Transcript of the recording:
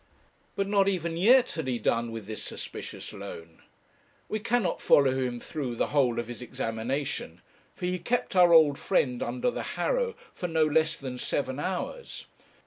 But not even yet had he done with this suspicious loan. We cannot follow him through the whole of his examination; for he kept our old friend under the harrow for no less than seven hours.